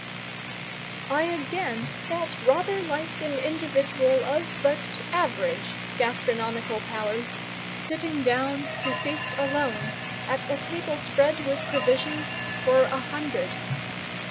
I again felt rather like an individual of but average gastronomical powers sitting down to feast alone at a table spread with provisions for a hundred.